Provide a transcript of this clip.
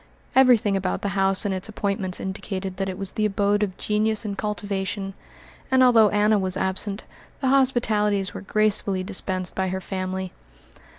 Everything about the house and its appointments indicated that it was the abode of genius and cultivation, and, although Anna was absent, the hospitalities were gracefully dispensed by her family.